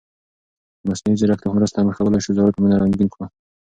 د مصنوعي ځیرکتیا په مرسته موږ کولای شو زاړه فلمونه رنګین کړو.